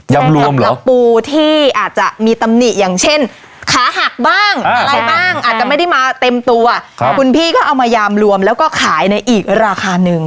สำหรับตะปูที่อาจจะมีตำหนิอย่างเช่นขาหักบ้างอะไรบ้างอาจจะไม่ได้มาเต็มตัวคุณพี่ก็เอามายามรวมแล้วก็ขายในอีกราคาหนึ่ง